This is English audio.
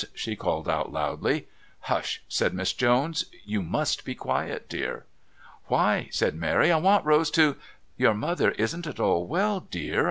she called out loudly. "Hush!" said Miss Jones. "You must be quiet, dear." "Why?" said Mary. "I want Rose to " "Your mother isn't at all well, dear.